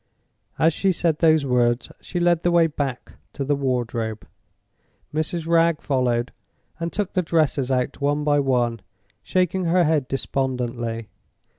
As she said those words, she led the way back to the wardrobe. Mrs. Wragge followed, and took the dresses out one by one, shaking her head despondently.